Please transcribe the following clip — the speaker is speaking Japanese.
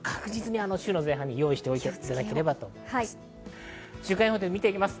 確実に週の前半に用意をしていただければと思います。